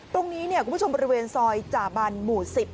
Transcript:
ตรงนี้เนี่ยคุณผู้ชมบริเวณซอยจาบันหมู่๑๐